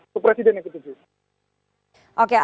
untuk presiden yang ketujuh